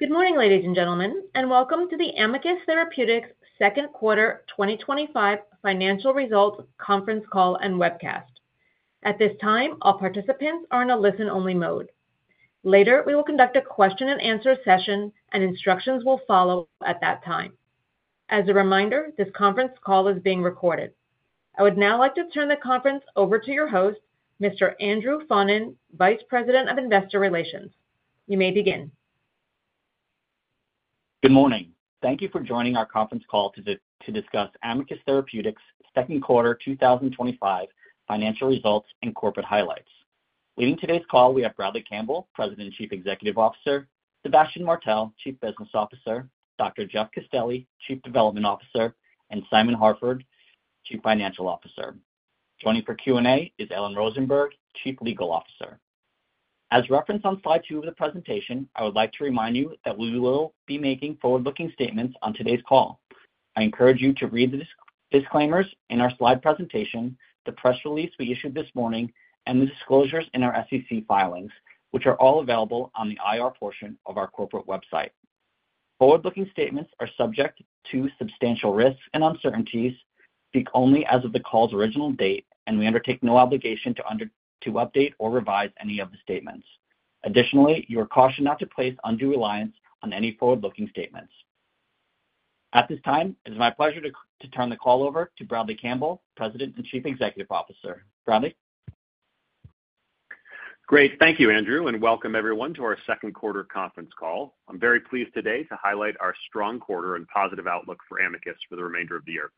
Good morning, ladies and gentlemen, and welcome to the Amicus Therapeutics Second Quarter 2025 Financial Results Conference Call and Webcast. At this time, all participants are in a listen-only mode. Later, we will conduct a question-and-answer session, and instructions will follow at that time. As a reminder, this conference call is being recorded. I would now like to turn the conference over to your host, Mr. Andrew Faughnan, Vice President of Investor Relations. You may begin. Good morning. Thank you for joining our conference call to discuss Amicus Therapeutics second quarter 2025 financial results and corporate highlights. Leading today's call, we have Bradley Campbell, President and Chief Executive Officer, Sébastien Martel, Chief Business Officer, Dr. Jeff Castelli, Chief Development Officer, and Simon Harford, Chief Financial Officer. Joining for Q&A is Ellen Rosenberg, Chief Legal Officer. As referenced on slide two of the presentation, I would like to remind you that we will be making forward-looking statements on today's call. I encourage you to read the disclaimers in our slide presentation, the press release we issued this morning, and the disclosures in our SEC filings, which are all available on the IR portion of our corporate website. Forward-looking statements are subject to substantial risks and uncertainties, speak only as of the call's original date, and we undertake no obligation to update or revise any of the statements. Additionally, you are cautioned not to place undue reliance on any forward-looking statements. At this time, it is my pleasure to turn the call over to Bradley Campbell, President and Chief Executive Officer. Bradley. Great. Thank you, Andrew, and welcome everyone to our second quarter conference call. I'm very pleased today to highlight our strong quarter and positive outlook for Amicus for the remainder of the year.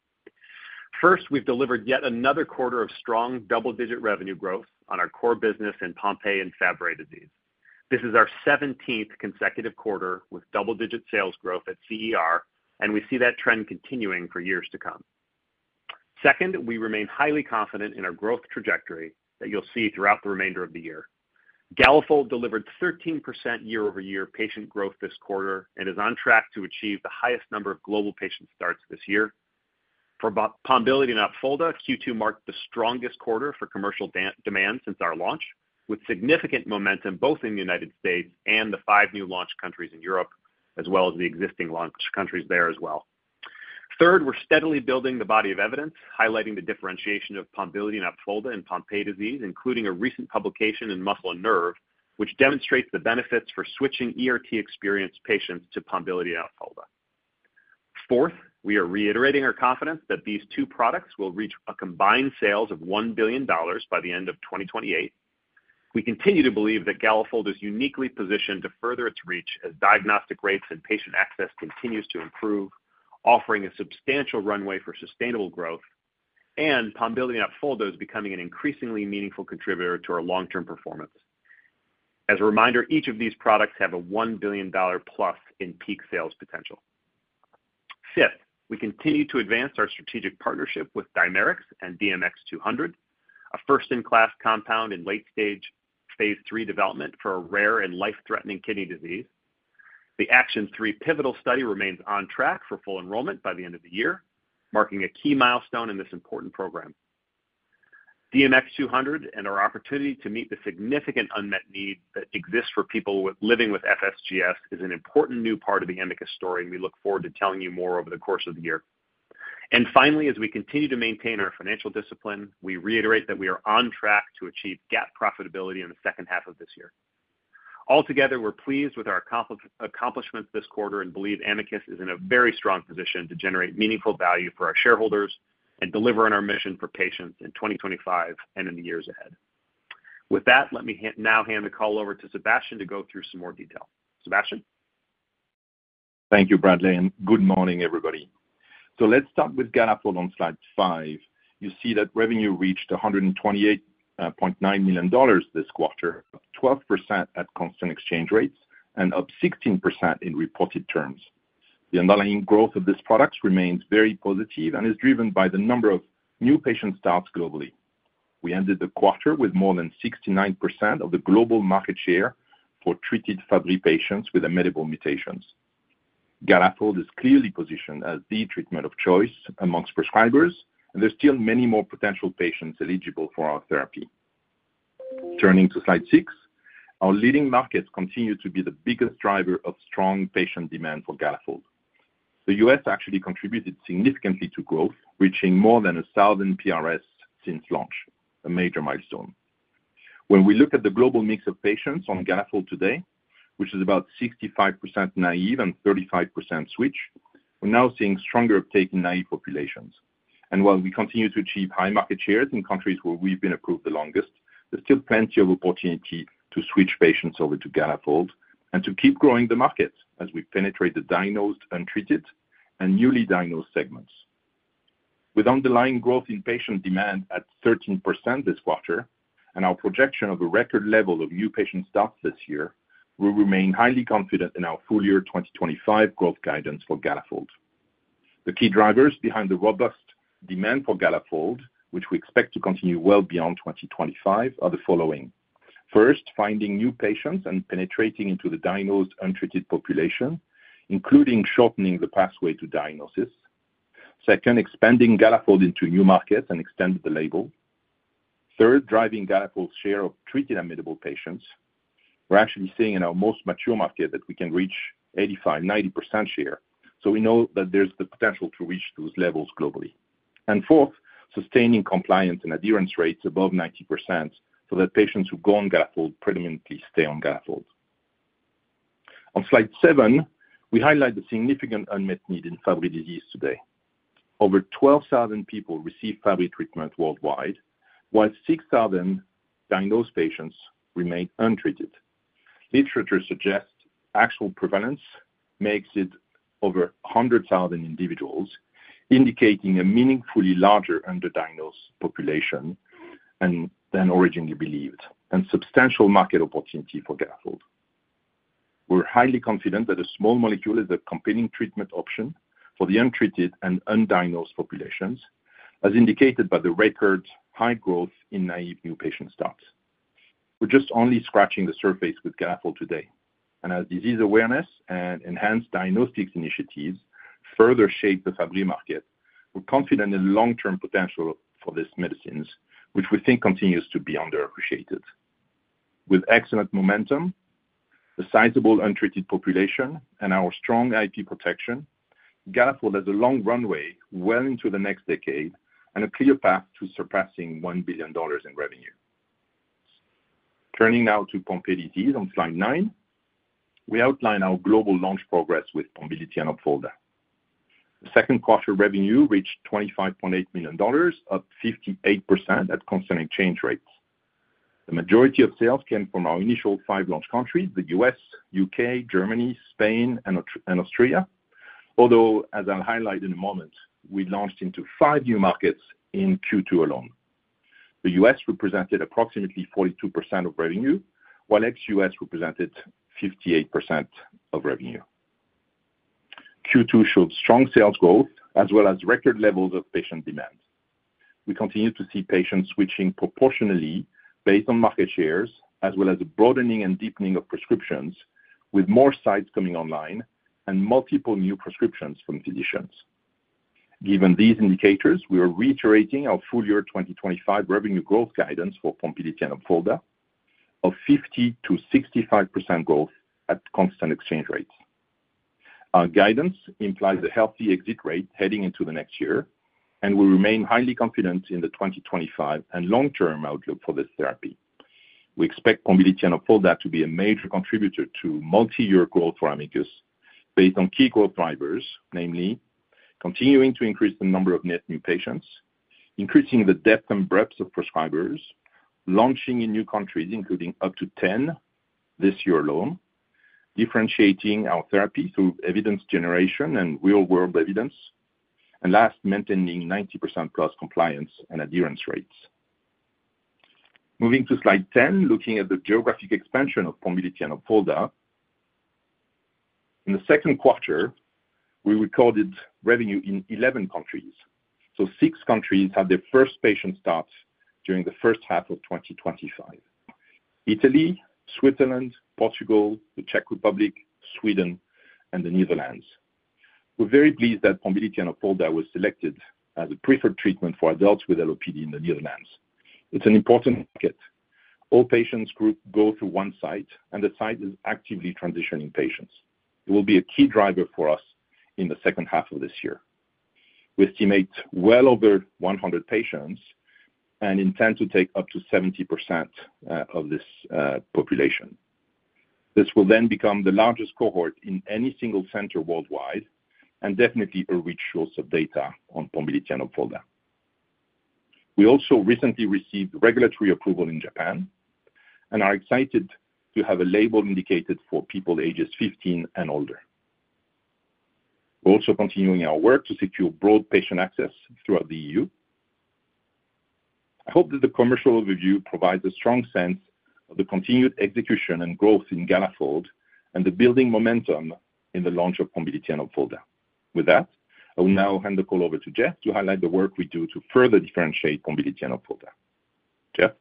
First, we've delivered yet another quarter of strong double-digit revenue growth on our core business in Pompe and Fabry disease. This is our 17th consecutive quarter with double-digit sales growth at CER, and we see that trend continuing for years to come. Second, we remain highly confident in our growth trajectory that you'll see throughout the remainder of the year. Galafold delivered 13% year-over-year patient growth this quarter and is on track to achieve the highest number of global patient starts this year. For Pombiliti and Opfolda, Q2 marked the strongest quarter for commercial demand since our launch, with significant momentum both in the United States and the five new launch countries in Europe, as well as the existing launch countries there as well. Third, we're steadily building the body of evidence highlighting the differentiation of Pombiliti and Opfolda in Pompe disease, including a recent publication in muscle and nerve, which demonstrates the benefits for switching ERT experienced patients to Pombiliti and Opfolda. Fourth, we are reiterating our confidence that these two products will reach combined sales of $1 billion by the end of 2028. We continue to believe that Galafold is uniquely positioned to further its reach as diagnostic rates and patient access continue to improve, offering a substantial runway for sustainable growth, and Pombiliti and Opfolda becoming an increasingly meaningful contributor to our long-term performance. As a reminder, each of these products has a $1 billion plus in peak sales potential. Fifth, we continue to advance our strategic partnership with Dimerix and DMX-200, a first-in-class compound in late-stage phase III development for a rare and life-threatening kidney disease. The ACTION3 pivotal study remains on track for full enrollment by the end of the year, marking a key milestone in this important program. DMX-200 and our opportunity to meet the significant unmet needs that exist for people living with FSGS is an important new part of the Amicus story, and we look forward to telling you more over the course of the year. Finally, as we continue to maintain our financial discipline, we reiterate that we are on track to achieve GAAP profitability in the second half of this year. Altogether, we're pleased with our accomplishments this quarter and believe Amicus is in a very strong position to generate meaningful value for our shareholders and deliver on our mission for patients in 2025 and in the years ahead. With that, let me now hand the call over to Sébastien to go through some more detail. Sébastien? Thank you, Bradley, and good morning, everybody. Let's start with Galafold on slide five. You see that revenue reached $128.9 million this quarter, up 12% at constant exchange rates and up 16% in reported terms. The underlying growth of this product remains very positive and is driven by the number of new patient starts globally. We ended the quarter with more than 69% of the global market share for treated Fabry patients with amenable mutations. Galafold is clearly positioned as the treatment of choice amongst prescribers, and there are still many more potential patients eligible for our therapy. Turning to slide six, our leading markets continue to be the biggest driver of strong patient demand for Galafold. The U.S. actually contributed significantly to growth, reaching more than 1,000 PRS since launch, a major milestone. When we look at the global mix of patients on Galafold today, which is about 65% naive and 35% switch, we're now seeing stronger uptake in naive populations. While we continue to achieve high market shares in countries where we've been approved the longest, there's still plenty of opportunity to switch patients over to Galafold and to keep growing the markets as we penetrate the diagnosed, untreated, and newly diagnosed segments. With underlying growth in patient demand at 13% this quarter and our projection of a record level of new patient starts this year, we remain highly confident in our full-year 2025 growth guidance for Galafold. The key drivers behind the robust demand for Galafold, which we expect to continue well beyond 2025, are the following: first, finding new patients and penetrating into the diagnosed, untreated population, including shortening the pathway to diagnosis; second, expanding Galafold into new markets and extending the label; third, driving Galafold's share of treated amenable patients. We're actually seeing in our most mature market that we can reach 85%, 90% share, so we know that there's the potential to reach those levels globally. Fourth, sustaining compliance and adherence rates above 90% so that patients who go on Galafold predominantly stay on Galafold. On slide seven, we highlight the significant unmet need in Fabry disease today. Over 12,000 people receive Fabry treatment worldwide, while 6,000 diagnosed patients remain untreated. Literature suggests actual prevalence makes it over 100,000 individuals, indicating a meaningfully larger underdiagnosed population than originally believed, and substantial market opportunity for Galafold. We're highly confident that a small molecule is a compelling treatment option for the untreated and undiagnosed populations, as indicated by the record high growth in naive new patient starts. We're just only scratching the surface with Galafold today. As disease awareness and enhanced diagnostics initiatives further shape the Fabry market, we're confident in the long-term potential for this medicine, which we think continues to be underappreciated. With excellent momentum, a sizable untreated population, and our strong IP protection, Galafold has a long runway well into the next decade and a clear path to surpassing $1 billion in revenue. Turning now to Pompe disease on slide nine, we outline our global launch progress with Pombiliti and Opfolda. The second quarter revenue reached $25.8 million, up 58% at constant exchange rates. The majority of sales came from our initial five launch countries: the U.S., UK, Germany, Spain, and Austria, although, as I'll highlight in a moment, we launched into five new markets in Q2 alone. The U.S. represented approximately 42% of revenue, while ex-U.S. represented 58% of revenue. Q2 showed strong sales growth, as well as record levels of patient demand. We continue to see patients switching proportionally based on market shares, as well as a broadening and deepening of prescriptions, with more sites coming online and multiple new prescriptions from physicians. Given these indicators, we are reiterating our full-year 2025 revenue growth guidance for Pombiliti and Opfolda, of 50%-65% growth at constant exchange rates. Our guidance implies a healthy exit rate heading into the next year, and we remain highly confident in the 2025 and long-term outlook for this therapy. We expect Pombiliti and Opfolda to be a major contributor to multi-year growth for Amicus, based on key growth drivers, namely continuing to increase the number of net new patients, increasing the depth and breadth of prescribers, launching in new countries, including up to 10 this year alone, differentiating our therapy through evidence generation and real-world evidence, and last, maintaining 90% plus compliance and adherence rates. Moving to slide 10, looking at the geographic expansion of Pombiliti and Opfolda. In the second quarter, we recorded revenue in 11 countries. Six countries have their first patient starts during the first half of 2025: Italy, Switzerland, Portugal, the Czech Republic, Sweden, and the Netherlands. We're very pleased that Pombiliti and Opfolda were selected as a preferred treatment for adults with LOPD in the Netherlands. It's an important market. All patients go through one site, and the site is actively transitioning patients. It will be a key driver for us in the second half of this year. We estimate well over 100 patients and intend to take up to 70% of this population. This will then become the largest cohort in any single center worldwide and definitely a rich source of data on Pombiliti and Opfolda. We also recently received regulatory approval in Japan and are excited to have a label indicated for people ages 15 and older. We're also continuing our work to secure broad patient access throughout the EU. I hope that the commercial overview provides a strong sense of the continued execution and growth in Galafold and the building momentum in the launch of Pombiliti and Opfolda. With that, I will now hand the call over to Jeff to highlight the work we do to further differentiate Pombiliti and Opfolda. Jeff?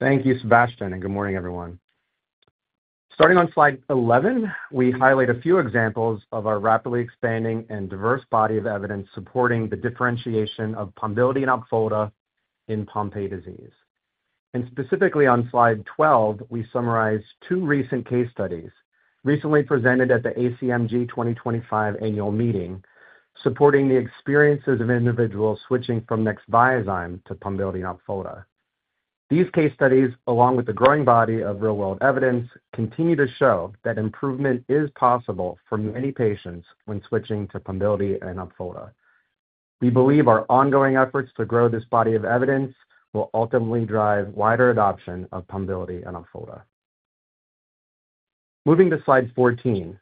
Thank you, Sébastien, and good morning, everyone. Starting on slide 11, we highlight a few examples of our rapidly expanding and diverse body of evidence supporting the differentiation of Pombiliti and Opfolda. In Pompe disease, and specifically on slide 12, we summarize two recent case studies recently presented at the ACMG 2025 annual meeting, supporting the experiences of individuals switching from Nexviazyme to Pombiliti and Opfolda. These case studies, along with the growing body of real-world evidence, continue to show that improvement is possible for many patients when switching to Pombiliti and Opfolda. We believe our ongoing efforts to grow this body of evidence will ultimately drive wider adoption of Pombiliti and Opfolda. Moving to slide 14,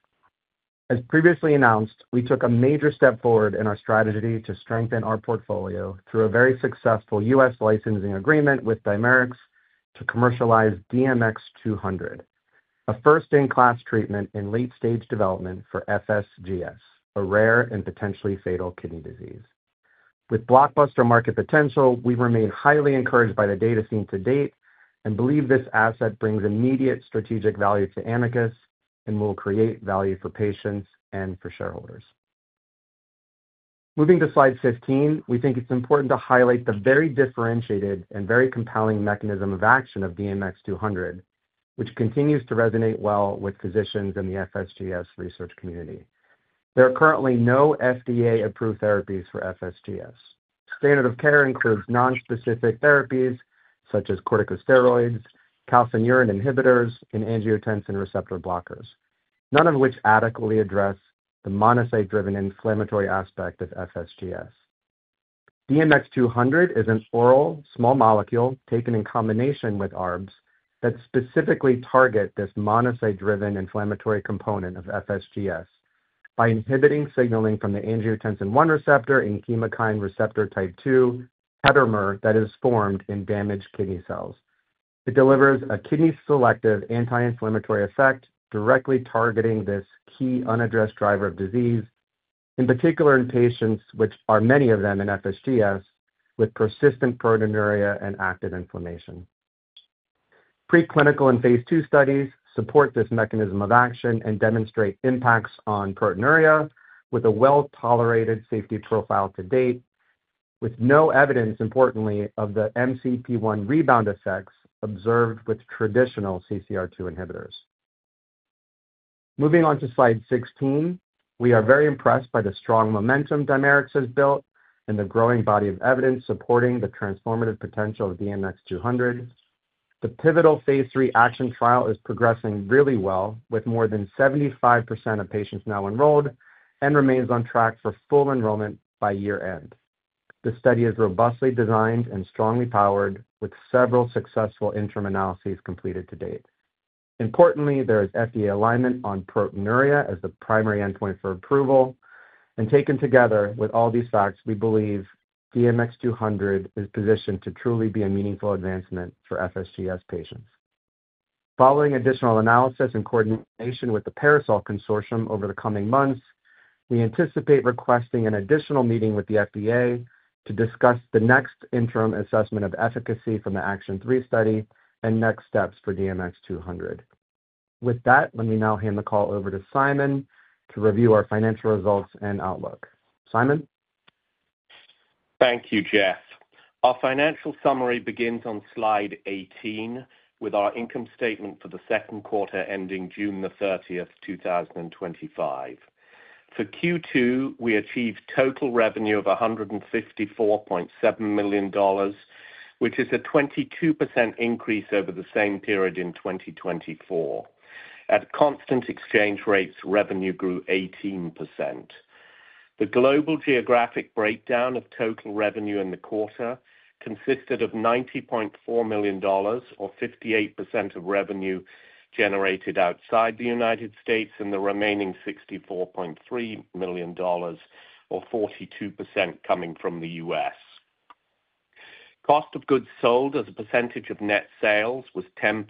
as previously announced, we took a major step forward in our strategy to strengthen our portfolio through a very successful U.S. licensing agreement with Dimerix to commercialize DMX-200, a first-in-class treatment in late-stage development for FSGS, a rare and potentially fatal kidney disease. With blockbuster market potential, we remain highly encouraged by the data seen to date and believe this asset brings immediate strategic value to Amicus and will create value for patients and for shareholders. Moving to slide 15, we think it's important to highlight the very differentiated and very compelling mechanism of action of DMX-200, which continues to resonate well with physicians and the FSGS research community. There are currently no FDA-approved therapies for FSGS. Standard of care includes nonspecific therapies such as corticosteroids, calcineurin inhibitors, and angiotensin receptor blockers, none of which adequately address the monocyte-driven inflammatory aspect of FSGS. DMX-200 is an oral small molecule taken in combination with ARBs that specifically target this monocyte-driven inflammatory component of FSGS by inhibiting signaling from the angiotensin I receptor in chemokine receptor type II heterodimer that is formed in damaged kidney cells. It delivers a kidney-selective anti-inflammatory effect directly targeting this key unaddressed driver of disease, in particular in patients, which are many of them in FSGS, with persistent proteinuria and active inflammation. Preclinical and phase II studies support this mechanism of action and demonstrate impacts on proteinuria with a well-tolerated safety profile to date, with no evidence, importantly, of the MCP-1 rebound effects observed with traditional CCR2 inhibitors. Moving on to slide 16, we are very impressed by the strong momentum Dimerix has built and the growing body of evidence supporting the transformative potential of DMX-200. The pivotal phase ACTION3 trial is progressing really well, with more than 75% of patients now enrolled and remains on track for full enrollment by year-end. The study is robustly designed and strongly powered, with several successful interim analyses completed to date. Importantly, there is FDA alignment on proteinuria as the primary endpoint for approval. Taken together with all these facts, we believe DMX-200 is positioned to truly be a meaningful advancement for FSGS patients. Following additional analysis and coordination with the PARASOL Consortium over the coming months, we anticipate requesting an additional meeting with the FDA to discuss the next interim assessment of efficacy from the ACTION3 study and next steps for DMX-200. With that, let me now hand the call over to Simon to review our financial results and outlook. Simon? Thank you, Jeff. Our financial summary begins on slide 18 with our income statement for the second quarter ending June the 30 of 2025. For Q2, we achieved total revenue of $154.7 million, which is a 22% increase over the same period in 2024. At constant exchange rates, revenue grew 18%. The global geographic breakdown of total revenue in the quarter consisted of $90.4 million, or 58% of revenue generated outside the U.S., and the remaining $64.3 million, or 42% coming from the U.S. Cost of goods sold as a percentage of net sales was 10%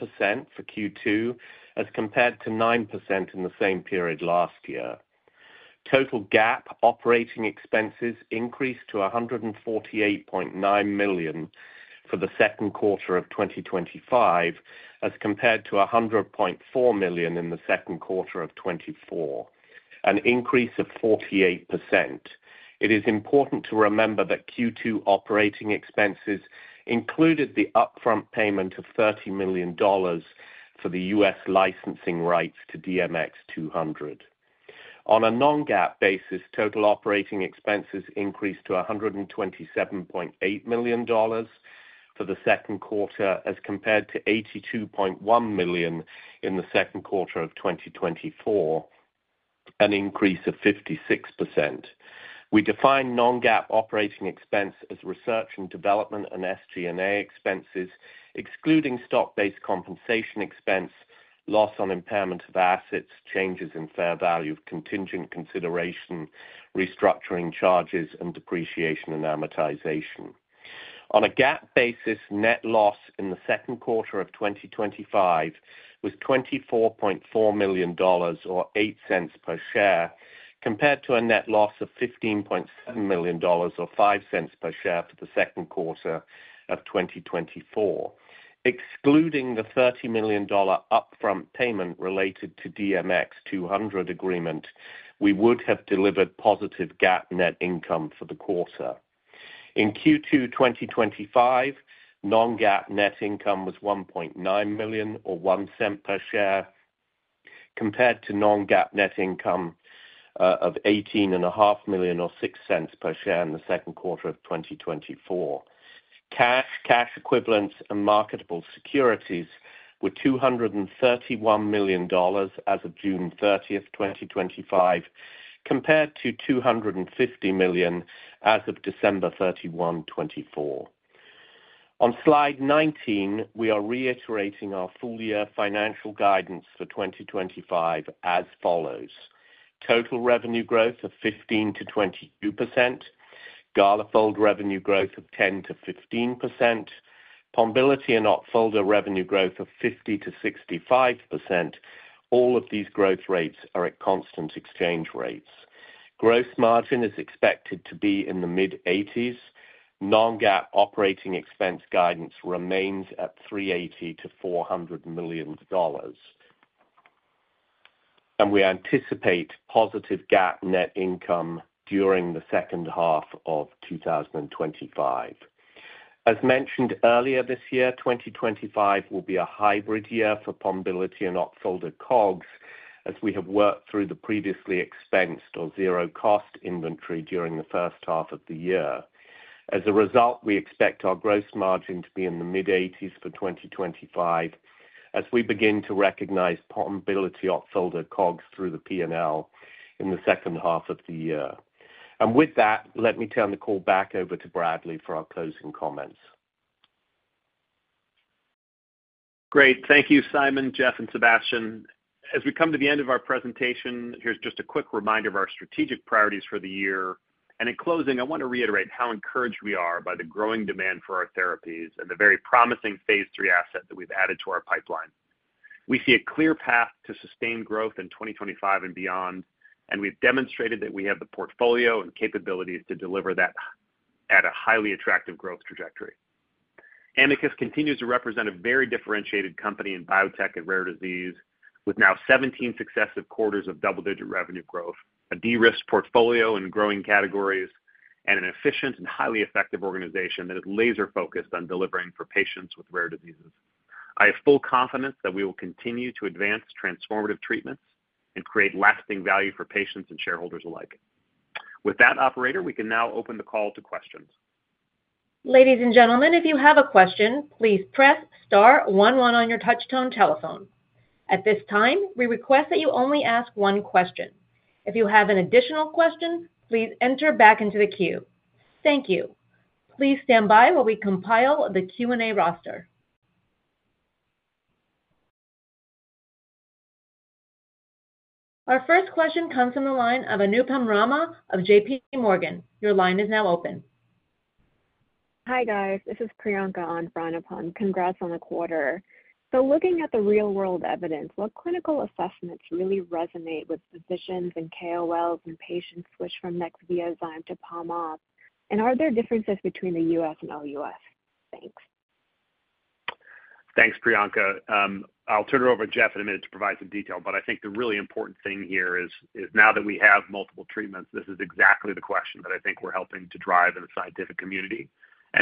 for Q2 as compared to 9% in the same period last year. Total GAAP operating expenses increased to $148.9 million for the second quarter of 2025 as compared to $100.4 million in the second quarter of 2024, an increase of 48%. It is important to remember that Q2 operating expenses included the upfront payment of $30 million for the U.S. licensing rights to DMX-200. On a non-GAAP basis, total operating expenses increased to $127.8 million for the second quarter as compared to $82.1 million in the second quarter of 2024, an increase of 56%. We define non-GAAP operating expense as research and development and SG&A expenses, excluding stock-based compensation expense, loss on impairment of assets, changes in fair value of contingent consideration, restructuring charges, and depreciation and amortization. On a GAAP basis, net loss in the second quarter of 2025 was $24.4 million, or $0.08 per share, compared to a net loss of $15.7 million, or $0.05 per share for the second quarter of 2024. Excluding the $30 million upfront payment related to the DMX-200 agreement, we would have delivered positive GAAP net income for the quarter. In Q2 2025, non-GAAP net income was $1.9 million, or $0.01 per share, compared to non-GAAP net income of $18.5 million, or $0.06 per share in the second quarter of 2024. Cash equivalents and marketable securities were $231 million as of June 30, 2025, compared to $250 million as of December 31, 2024. On slide 19, we are reiterating our full-year financial guidance for 2025 as follows: total revenue growth of 15%-22%, Galafold revenue growth of 10%-15%, Pombiliti and Opfolda revenue growth of 50%-65%. All of these growth rates are at constant exchange rates. Gross margin is expected to be in the mid-80s. Non-GAAP operating expense guidance remains at $380 million-$400 million, and we anticipate positive GAAP net income during the second half of 2025. As mentioned earlier this year, 2025 will be a hybrid year for Pombiliti and Opfolda COGS, as we have worked through the previously expensed or zero-cost inventory during the first half of the year. As a result, we expect our gross margin to be in the mid-80s for 2025, as we begin to recognize Pombiliti and Opfolda COGS through the P&L in the second half of the year. With that, let me turn the call back over to Bradley for our closing comments. Great. Thank you, Simon, Jeff, and Sébastien. As we come to the end of our presentation, here's just a quick reminder of our strategic priorities for the year. In closing, I want to reiterate how encouraged we are by the growing demand for our therapies and the very promising phase III asset that we've added to our pipeline. We see a clear path to sustained growth in 2025 and beyond, and we've demonstrated that we have the portfolio and capabilities to deliver that at a highly attractive growth trajectory. Amicus continues to represent a very differentiated company in biotech and rare disease, with now 17 successive quarters of double-digit revenue growth, a de-risked portfolio in growing categories, and an efficient and highly effective organization that is laser-focused on delivering for patients with rare diseases. I have full confidence that we will continue to advance transformative treatments and create lasting value for patients and shareholders alike. With that, operator, we can now open the call to questions. Ladies and gentlemen, if you have a question, please press star one one on your touch-tone telephone. At this time, we request that you only ask one question. If you have an additional question, please enter back into the queue. Thank you. Please stand by while we compile the Q&A roster. Our first question comes from the line of Anupam Rama of JPMorgan. Your line is now open. Hi, guys. This is Priyanka on for Anupam. Congrats on the quarter. Looking at the real-world evidence, what clinical assessments really resonate with physicians and KOLs when patients switch from Nexviazyme to PomOp? Are there differences between the U.S. and OUS? Thanks. Thanks, Priyanka. I'll turn it over to Jeff in a minute to provide some detail. I think the really important thing here is now that we have multiple treatments, this is exactly the question that I think we're helping to drive in the scientific community.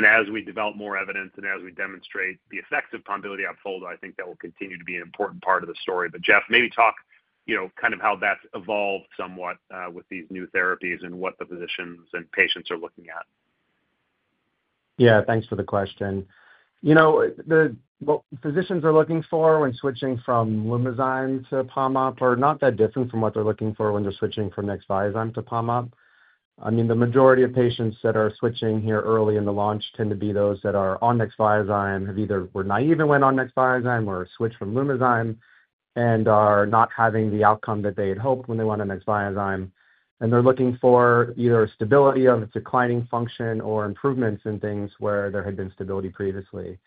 As we develop more evidence and as we demonstrate the effects of Pombiliti and Opfolda, I think that will continue to be an important part of the story. Jeff, maybe talk kind of how that's evolved somewhat with these new therapies and what the physicians and patients are looking at. Yeah, thanks for the question. The physicians are looking for when switching from Lumizyme to Pombiliti are not that different from what they're looking for when they're switching from Nexviazyme to PomOp. I mean, the majority of patients that are switching here early in the launch tend to be those that are on Nexviazyme, have either were naive and went on Nexviazyme or switched from Lumizyme and are not having the outcome that they had hoped when they went on Nexviazyme. They're looking for either stability of its declining function or improvements in things where there had been stability previously.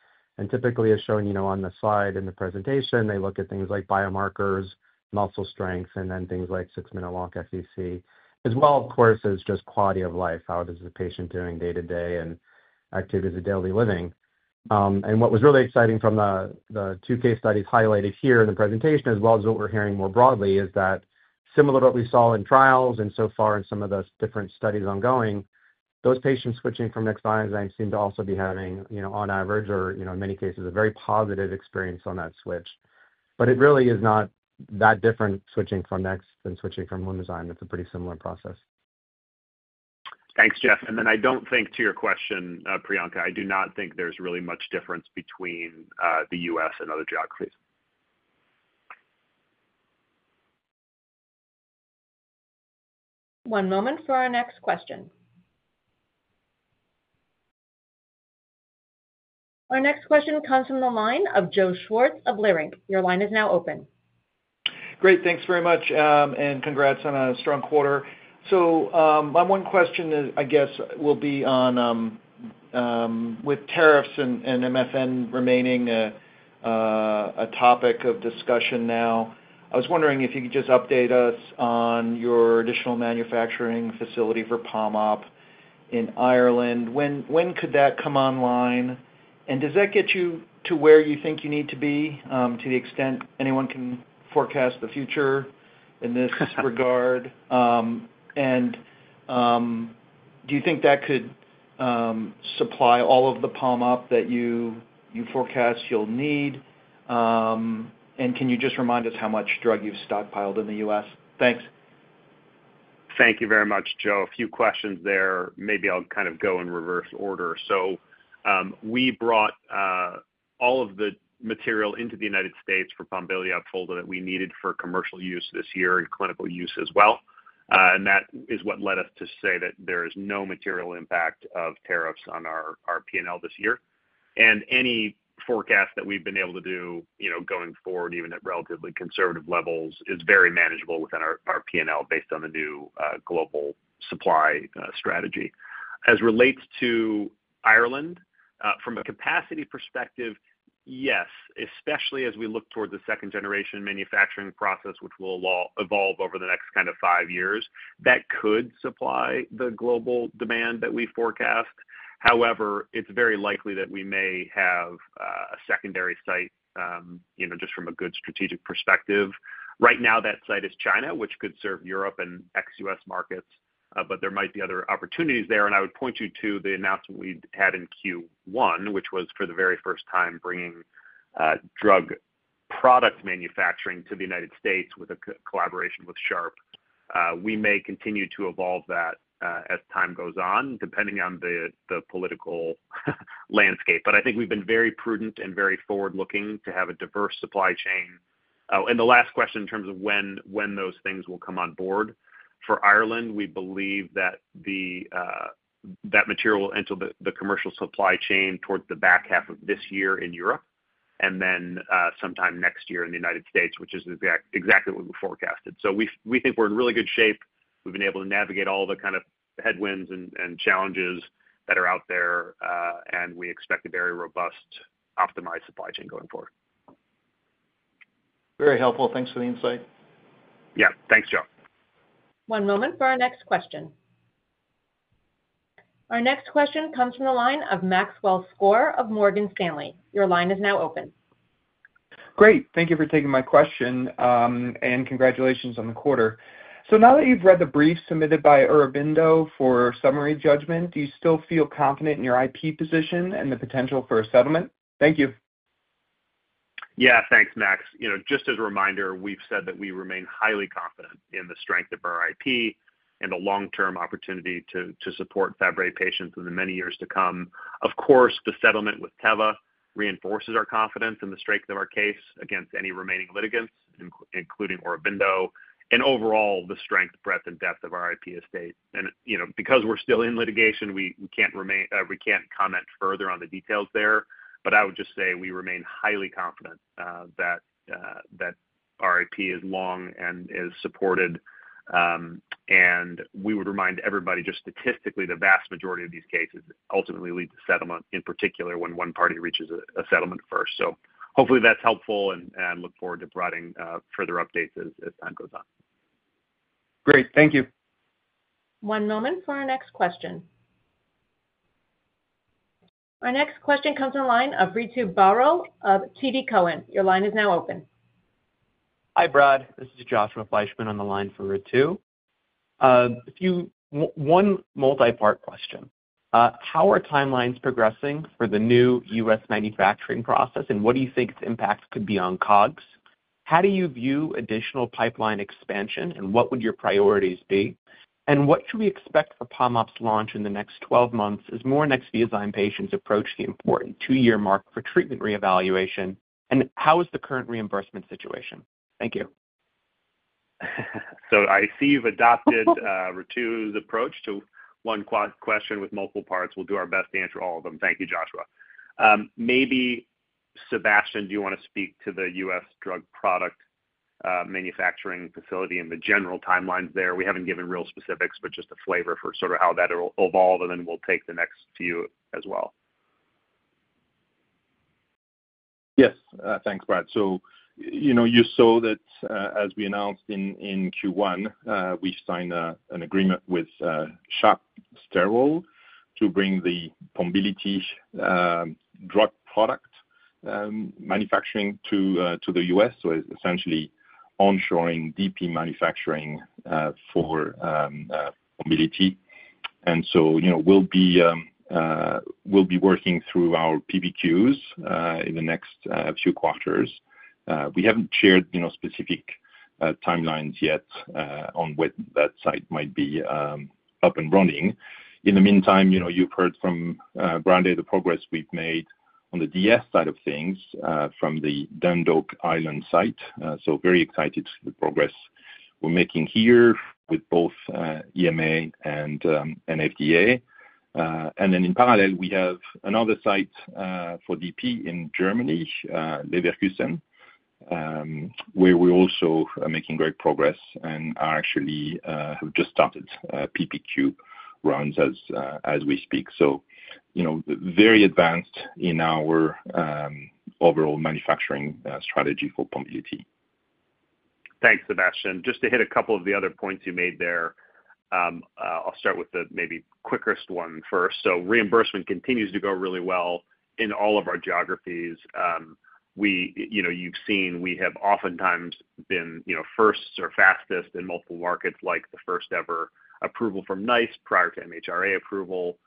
Typically, as shown on the slide in the presentation, they look at things like biomarkers, muscle strength, and then things like six-minute walk, FVC, as well, of course, as just quality of life. How is the patient doing day-to-day and activities of daily living? What was really exciting from the two case studies highlighted here in the presentation, as well as what we're hearing more broadly, is that similar to what we saw in trials and so far in some of the different studies ongoing, those patients switching from Nexviazyme seem to also be having, on average or in many cases, a very positive experience on that switch. It really is not that different switching from Nexviazyme than switching from Lumizyme. It's a pretty similar process. Thanks, Jeff. I don't think to your question, Priyanka, I do not think there's really much difference between the U.S. and other geographies. One moment for our next question. Our next question comes from the line of Joe Schwartz of Leerink. Your line is now open. Great. Thanks very much, and congrats on a strong quarter. My one question is, I guess, will be on with tariffs and MFN remaining a topic of discussion now. I was wondering if you could just update us on your additional manufacturing facility for PomOp in Ireland. When could that come online? Does that get you to where you think you need to be to the extent anyone can forecast the future in this regard? Do you think that could supply all of the PomOp that you forecast you'll need? Can you just remind us how much drug you've stockpiled in the U.S.? Thanks. Thank you very much, Joe. A few questions there. Maybe I'll kind of go in reverse order. We brought all of the material into the United States for Pombiliti and Opfolda that we needed for commercial use this year and clinical use as well. That is what led us to say that there is no material impact of tariffs on our P&L this year. Any forecast that we've been able to do going forward, even at relatively conservative levels, is very manageable within our P&L based on the new global supply strategy. As it relates to Ireland, from a capacity perspective, yes, especially as we look towards the second-generation manufacturing process, which will evolve over the next kind of five years, that could supply the global demand that we forecast. It is very likely that we may have a secondary site, just from a good strategic perspective. Right now, that site is China, which could serve Europe and ex-U.S. markets, but there might be other opportunities there. I would point you to the announcement we had in Q1, which was for the very first time bringing drug product manufacturing to the United States with a collaboration with Sharp. We may continue to evolve that as time goes on, depending on the political landscape. I think we've been very prudent and very forward-looking to have a diverse supply chain. The last question in terms of when those things will come on board. For Ireland, we believe that that material will enter the commercial supply chain towards the back half of this year in Europe and then sometime next year in the United States, which is exactly what we forecasted. We think we're in really good shape. We've been able to navigate all the kind of headwinds and challenges that are out there, and we expect a very robust, optimized supply chain going forward. Very helpful. Thanks for the insight. Yeah, thanks, Joe. One moment for our next question. Our next question comes from the line of Maxwell Skor of Morgan Stanley. Your line is now open. Great. Thank you for taking my question and congratulations on the quarter. Now that you've read the brief submitted by Aurobindo for summary judgment, do you still feel confident in your IP position and the potential for a settlement? Thank you. Yeah, thanks, Max. Just as a reminder, we've said that we remain highly confident in the strength of our IP and the long-term opportunity to support Fabry patients in the many years to come. Of course, the settlement with Teva reinforces our confidence in the strength of our case against any remaining litigants, including Aurobindo, and overall the strength, breadth, and depth of our IP estate. Because we're still in litigation, we can't comment further on the details there. I would just say we remain highly confident that our IP is long and is supported. We would remind everybody, just statistically, the vast majority of these cases ultimately lead to settlement, in particular when one party reaches a settlement first. Hopefully, that's helpful, and I look forward to providing further updates as time goes on. Great, thank you. One moment for our next question. Our next question comes from the line of Ritu Baral of TD Cowen. Your line is now open. Hi, Brad. This is Joshua Fleishman on the line for Ritu. One multipart question. How are timelines progressing for the new U.S. manufacturing process, and what do you think its impacts could be on COGS? How do you view additional pipeline expansion, and what would your priorities be? What should we expect for Pombiliti's launch in the next 12 months as more next biosine patients approach the important two-year mark for treatment reevaluation? How is the current reimbursement situation? Thank you. I see you've adopted Ritu's approach to one question with multiple parts. We'll do our best to answer all of them. Thank you, Joshua. Maybe Sébastien, do you want to speak to the U.S. drug product manufacturing facility and the general timelines there? We haven't given real specifics, but just a flavor for sort of how that will evolve, and then we'll take the next few as well. Yes. Thanks, Brad. As you know, you saw that as we announced in Q1, we signed an agreement with Sharp Sterile to bring the Pombiliti drug product manufacturing to the U.S., essentially onshoring DP manufacturing for Pombiliti. We'll be working through our PPQs in the next few quarters. We haven't shared specific timelines yet on when that site might be up and running. In the meantime, you've heard from Brad the progress we've made on the DS side of things from the Dundalk Ireland site. I'm very excited for the progress we're making here with both EMA and FDA. In parallel, we have another site for DP in Germany, Leverkusen, where we're also making great progress and actually have just started PPQ runs as we speak. We're very advanced in our overall manufacturing strategy for Pombiliti. Thanks, Sébastien. Just to hit a couple of the other points you made there, I'll start with the maybe quickest one first. Reimbursement continues to go really well in all of our geographies. You've seen we have oftentimes been firsts or fastest in multiple markets, like the first-ever approval from NICE prior to MHRA approval,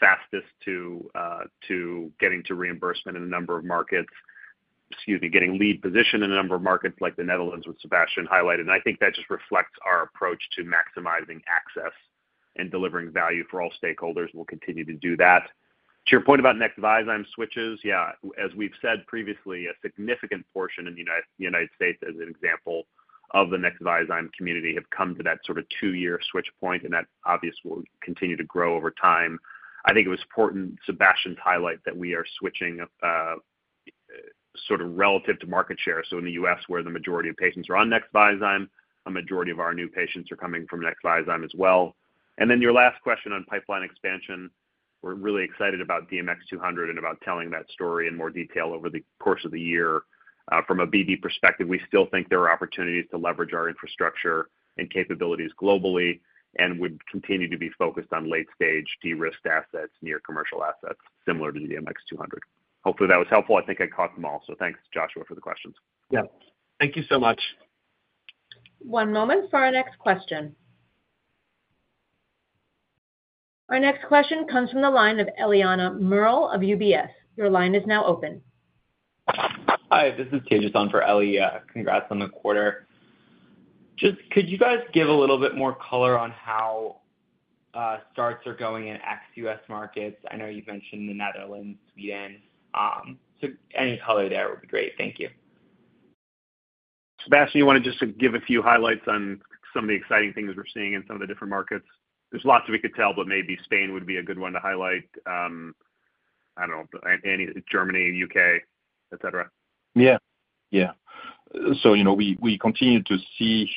fastest to getting to reimbursement in a number of markets, getting lead position in a number of markets like the Netherlands, which Sébastien highlighted. I think that just reflects our approach to maximizing access and delivering value for all stakeholders, and we'll continue to do that. To your point about Nexviazyme switches, as we've said previously, a significant portion in the United States, as an example of the Nexviazyme community, have come to that sort of two-year switch point, and that obviously will continue to grow over time. I think it was important, Sébastien, to highlight that we are switching sort of relative to market share. In the U.S., where the majority of patients are on Nexviazyme, a majority of our new patients are coming from Nexviazyme as well. Your last question on pipeline expansion, we're really excited about DMX-200 and about telling that story in more detail over the course of the year. From a BD perspective, we still think there are opportunities to leverage our infrastructure and capabilities globally, and we continue to be focused on late-stage de-risked assets, near commercial assets, similar to the DMX-200. Hopefully, that was helpful. I think I caught them all. Thanks, Joshua, for the questions. Yeah, thank you so much. One moment for our next question. Our next question comes from the line of Eliana Merle of UBS. Your line is now open. Hi, this is Tejas on for Eli. Congrats on the quarter. Could you guys give a little bit more color on how starts are going in ex-U.S. markets? I know you've mentioned the Netherlands, Sweden. Any color there would be great. Thank you. Sébastien, you want to just give a few highlights on some of the exciting things we're seeing in some of the different markets? There's lots that we could tell, but maybe Spain would be a good one to highlight. I don't know, Germany, UK, etc. Yeah. Yeah. You know, we continue to see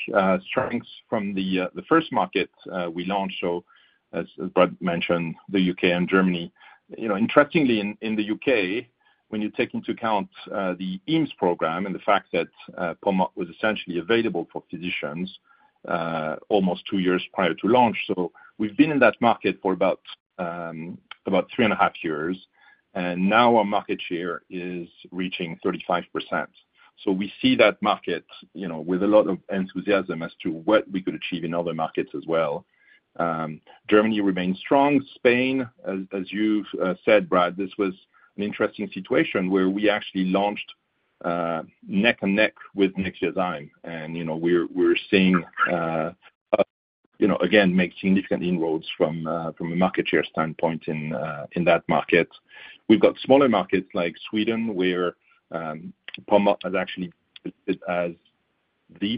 strengths from the first market we launched, as Brad mentioned, the UK and Germany. Interestingly, in the UK, when you take into account the EAMS program and the fact that Pomb was essentially available for physicians almost two years prior to launch, we've been in that market for about three and a half years, and now our market share is reaching 35%. We see that market with a lot of enthusiasm as to what we could achieve in other markets as well. Germany remains strong. Spain, as you said, Brad, this was an interesting situation where we actually launched neck and neck with Nexviazyme, and we're seeing, again, make significant inroads from a market share standpoint in that market. We've got smaller markets like Sweden, where PomOp is actually the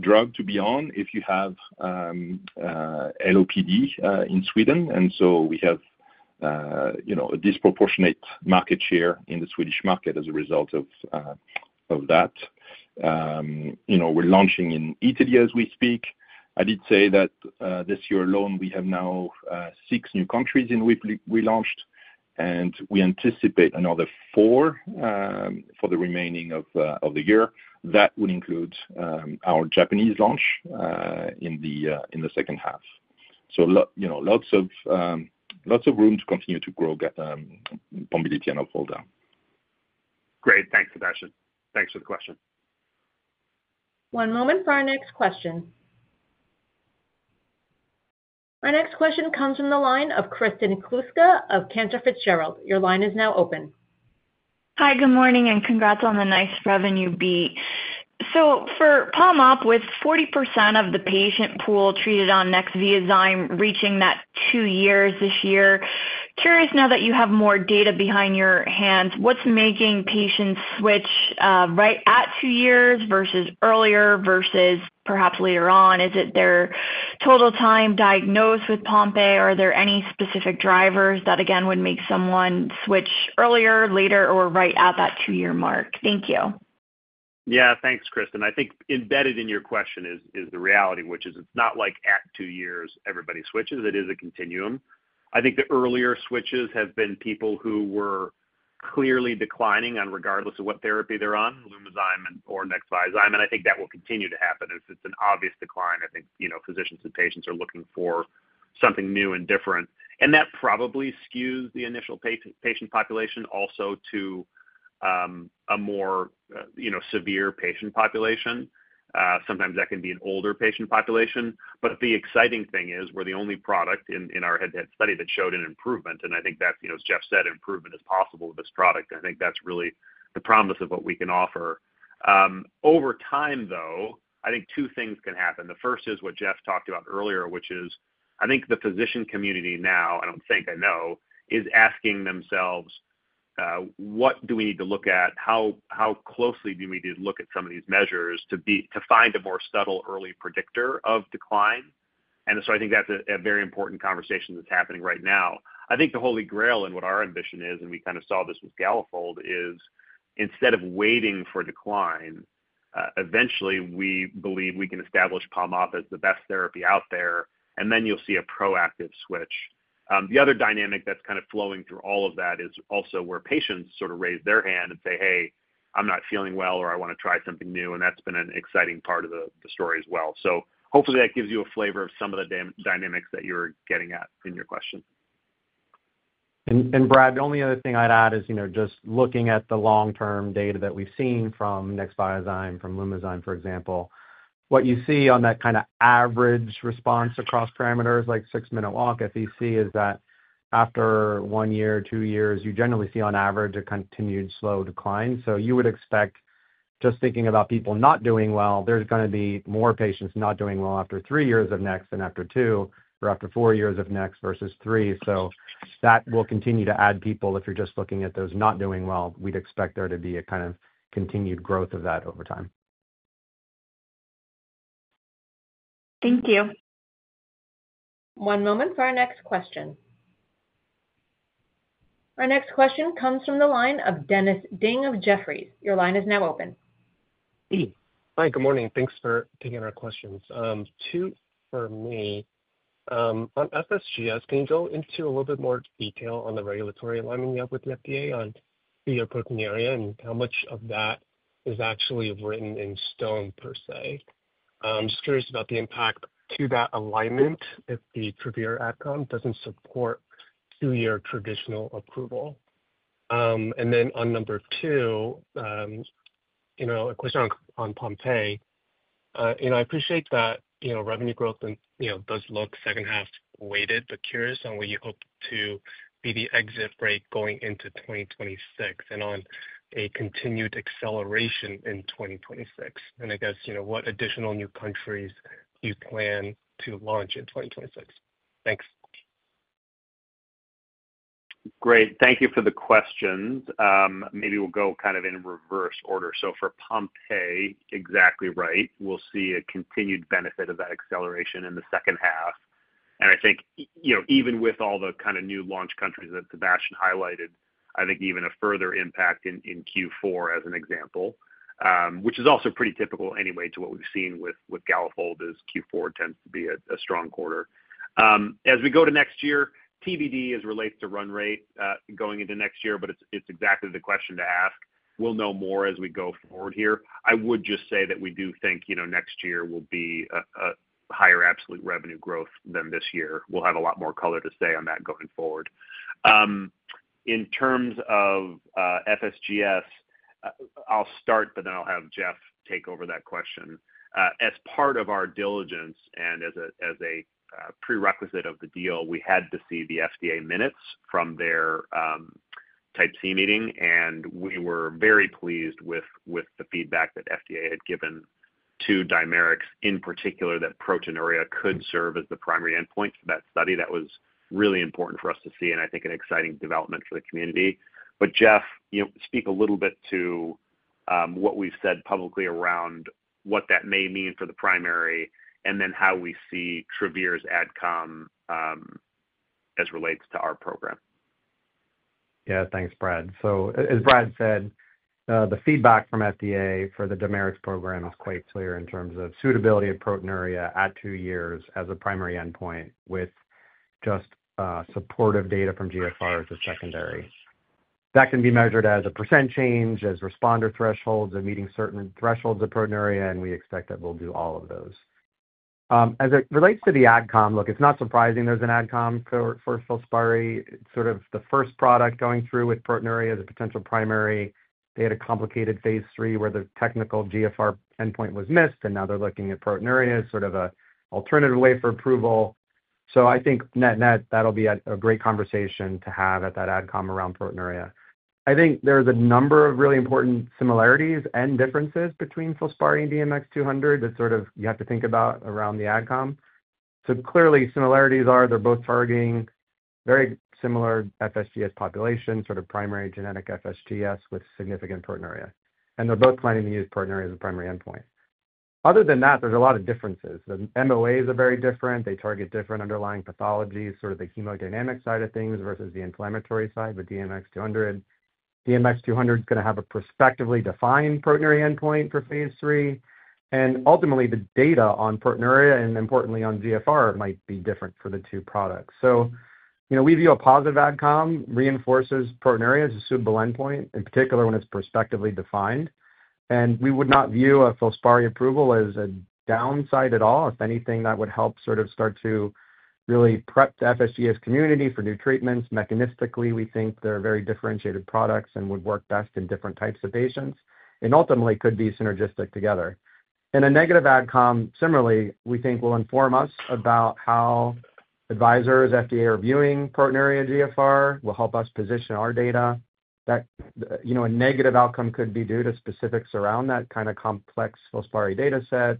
drug to be on if you have LOPD in Sweden, and we have a disproportionate market share in the Swedish market as a result of that. We're launching in Italy as we speak. I did say that this year alone, we have now six new countries in which we launched, and we anticipate another four for the remaining of the year. That would include our Japanese launch in the second half. Lots of room to continue to grow Pombiliti and Opfolda. Great. Thanks, Sébastien. Thanks for the question. One moment for our next question. Our next question comes from the line of Kristen Kluska of Cantor Fitzgerald. Your line is now open. Hi, good morning, and congrats on the nice revenue beat. For PomOp, with 40% of the patient pool treated on next Nexviazyme reaching that two years this year, curious now that you have more data behind your hands, what's making patients switch right at two years versus earlier versus perhaps later on? Is it their total time diagnosed with Pompe? Are there any specific drivers that, again, would make someone switch earlier, later, or right at that two-year mark? Thank you. Yeah, thanks, Kristen. I think embedded in your question is the reality, which is it's not like at two years, everybody switches. It is a continuum. I think the earlier switches have been people who were clearly declining on, regardless of what therapy they're on, Lumizyme or Nexviazyme, and I think that will continue to happen. If it's an obvious decline, I think physicians and patients are looking for something new and different. That probably skews the initial patient population also to a more severe patient population. Sometimes that can be an older patient population. The exciting thing is we're the only product in our head-to-head study that showed an improvement, and I think that's, as Jeff said, improvement is possible with this product. I think that's really the promise of what we can offer. Over time, though, I think two things can happen. The first is what Jeff talked about earlier, which is I think the physician community now, I don't think, I know, is asking themselves, "What do we need to look at? How closely do we need to look at some of these measures to find a more subtle early predictor of decline?" I think that's a very important conversation that's happening right now. The holy grail in what our ambition is, and we kind of saw this with Galafold, is instead of waiting for decline, eventually, we believe we can establish Pombiliti as the best therapy out there, and then you'll see a proactive switch. The other dynamic that's kind of flowing through all of that is also where patients sort of raise their hand and say, "Hey, I'm not feeling well," or, "I want to try something new," and that's been an exciting part of the story as well. Hopefully, that gives you a flavor of some of the dynamics that you're getting at in your question. Brad, the only other thing I'd add is just looking at the long-term data that we've seen from Nexviazyme, from Lumizyme, for example, what you see on that kind of average response across parameters like six-minute walk, FVC, is that after one year, two years, you generally see on average a continued slow decline. You would expect, just thinking about people not doing well, there's going to be more patients not doing well after three years of Nex than after two or after four years of Nex versus three. That will continue to add people if you're just looking at those not doing well. We'd expect there to be a kind of continued growth of that over time. Thank you. One moment for our next question. Our next question comes from the line of Dennis Ding of Jefferies. Your line is now open. Hi. Good morning. Thanks for taking our questions. Two, for me, on FSGS, can you go into a little bit more detail on the regulatory alignment you have with the FDA on the proteinuria and how much of that is actually written in stone per se? I'm just curious about the impact to that alignment if the Travere AdCom doesn't support two-year traditional approval. On number two, a question on Pompe. I appreciate that revenue growth does look second-half weighted, but curious on what you hope to be the exit rate going into 2026 and on a continued acceleration in 2026. I guess, what additional new countries do you plan to launch in 2026? Thanks. Great. Thank you for the questions. Maybe we'll go kind of in reverse order. For Pombiliti, exactly right, we'll see a continued benefit of that acceleration in the second half. I think, even with all the kind of new launch countries that Sébastien highlighted, I think even a further impact in Q4 as an example, which is also pretty typical anyway to what we've seen with Galafold as Q4 tends to be a strong quarter. As we go to next year, TBD as it relates to run rate going into next year, but it's exactly the question to ask. We'll know more as we go forward here. I would just say that we do think next year will be a higher absolute revenue growth than this year. We'll have a lot more color to say on that going forward. In terms of FSGS, I'll start, but then I'll have Jeff take over that question. As part of our diligence and as a prerequisite of the deal, we had to see the FDA minutes from their Type C meeting, and we were very pleased with the feedback that FDA had given to Dimerix in particular that proteinuria could serve as the primary endpoint for that study. That was really important for us to see, and I think an exciting development for the community. Jeff, speak a little bit to what we've said publicly around what that may mean for the primary and then how we see Travere's AdCom as it relates to our program. Yeah, thanks, Brad. As Brad said, the feedback from FDA for the Dimerix program is quite clear in terms of suitability of proteinuria at two years as a primary endpoint with just supportive data from GFR as a secondary. That can be measured as a percent change, as responder thresholds, or meeting certain thresholds of proteinuria, and we expect that we'll do all of those. As it relates to the AdCom it's not surprising there's an AdCom for FILSPARI. It's sort of the first product going through with proteinuria as a potential primary. They had a complicated phase III where the technical GFR endpoint was missed, and now they're looking at proteinuria as an alternative way for approval. I think net-net, that'll be a great conversation to have at that AdCom around proteinuria. I think there's a number of really important similarities and differences between FILSPARI and DMX-200 that you have to think about around the AdCom. Clearly, similarities are they're both targeting very similar FSGS population, sort of primary genetic FSGS with significant proteinuria, and they're both planning to use proteinuria as a primary endpoint. Other than that, there's a lot of differences. The MOAs are very different. They target different underlying pathologies, the hemodynamic side of things versus the inflammatory side with DMX-200. DMX-200 is going to have a prospectively defined proteinuria endpoint for phase III. Ultimately, the data on proteinuria and importantly on GFR might be different for the two products. We view a positive AdCom reinforces proteinuria as a suitable endpoint, in particular when it's prospectively defined. We would not view a FILSPARI approval as a downside at all. If anything, that would help start to really prep the FSGS community for new treatments. Mechanistically, we think they're very differentiated products and would work best in different types of patients and ultimately could be synergistic together. A negative AdCom, similarly, we think will inform us about how advisors FDA are viewing proteinuria, GFR, and will help us position our data. A negative outcome could be due to specifics around that kind of complex FILSPARI dataset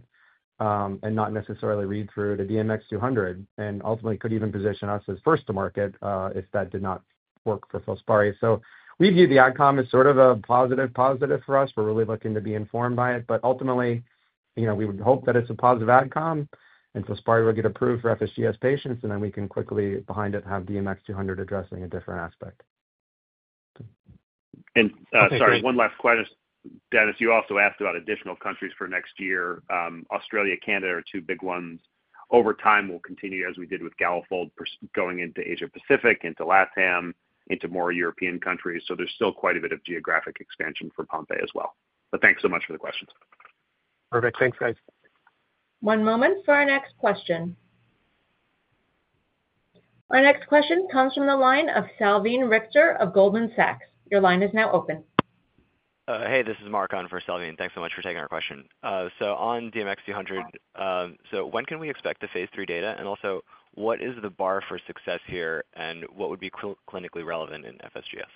and not necessarily read through to DMX-200 and ultimately could even position us as first to market if that did not work for FILSPARI. We view the AdCom as a positive positive for us. We're really looking to be informed by it. Ultimately, we would hope that it's a positive AdCom and FILSPARI will get approved for FSGS patients, and then we can quickly behind it have DMX-200 addressing a different aspect. Sorry, one last question. Dennis, you also asked about additional countries for next year. Australia and Canada are two big ones. Over time, we'll continue as we did with Galafold, going into Asia-Pacific, into LatAm, into more European countries. There is still quite a bit of geographic expansion for Pombiliti as well. Thanks so much for the questions. Perfect. Thanks, guys. One moment for our next question. Our next question comes from the line of Salveen Richter of Goldman Sachs. Your line is now open. Hey, this is Mark on for Salveen. Thanks so much for taking our question. On DMX-200, when can we expect the phase III data? Also, what is the bar for success here and what would be clinically relevant in FSGS?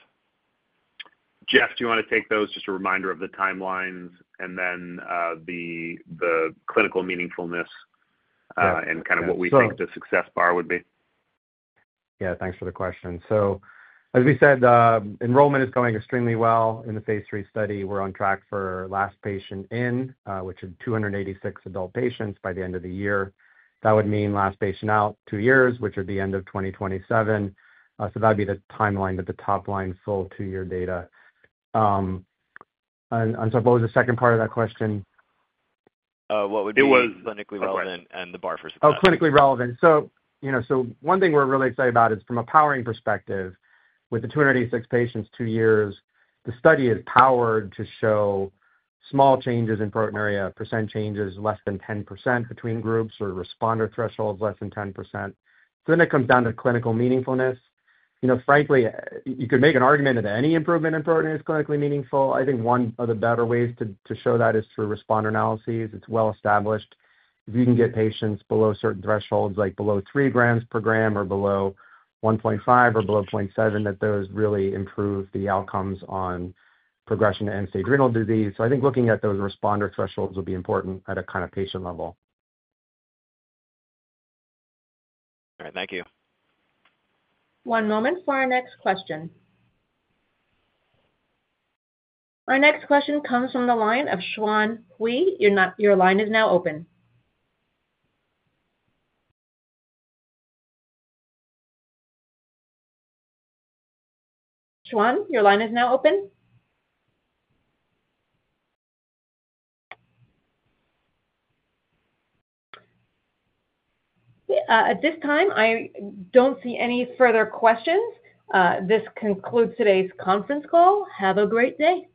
Jeff, do you want to take those, just a reminder of the timelines and then the clinical meaningfulness and kind of what we think the success bar would be? Yeah, thanks for the question. As we said, enrollment is going extremely well in the phase III study. We're on track for last patient in, which are 286 adult patients by the end of the year. That would mean last patient out two years, which would be end of 2027. That would be the timeline with the top line full two-year data. What was the second part of that question? What would be clinically relevant and the bar for success? Clinically relevant. One thing we're really excited about is from a powering perspective, with the 286 patients, two years, the study is powered to show small changes in proteinuria, percent changes less than 10% between groups or responder thresholds less than 10%. It comes down to clinical meaningfulness. Frankly, you could make an argument that any improvement in protein is clinically meaningful. I think one of the better ways to show that is through responder analyses. It's well established. If you can get patients below certain thresholds, like below 3 grams per gram or below 1.5 or below 0.7, those really improve the outcomes on progression to end-stage renal disease. I think looking at those responder thresholds will be important at a kind of patient level. All right. Thank you. One moment for our next question. Our next question comes from the line of Xuan Hui. Your line is now open. Xuan, your line is now open. At this time, I don't see any further questions. This concludes today's conference call. Have a great day.